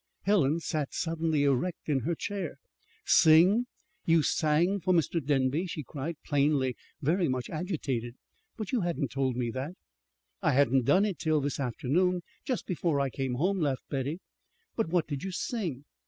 Helen sat suddenly erect in her chair. "Sing? You sang for Mr. Denby?" she cried, plainly very much agitated. "But you hadn't told me that!" "I hadn't done it till this afternoon, just before I came home," laughed Betty. "But what did you sing?